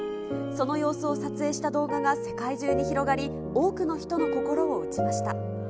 その様子を撮影した動画が世界中に広がり、多くの人の心を打ちました。